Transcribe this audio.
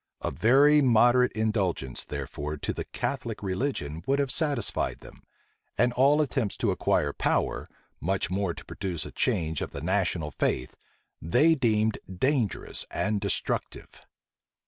A very moderate indulgence, therefore, to the Catholic religion would have satisfied them; and all attempts to acquire power, much more to produce a change of the national faith, they deemed dangerous and destructive.